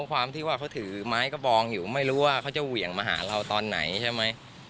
ความที่ว่าเขาถือไม้กระบองอยู่ไม่รู้ว่าเขาจะเหวี่ยงมาหาเราตอนไหนใช่ไหม